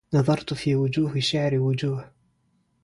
نظرت في وجوه شعري وجوه